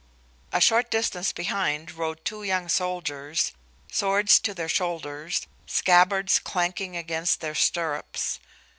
A short distance behind rode two young soldiers, swords to their shoulders, scabbards clanking against their stirrups.